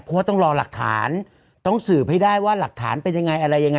เพราะว่าต้องรอหลักฐานต้องสืบให้ได้ว่าหลักฐานเป็นยังไงอะไรยังไง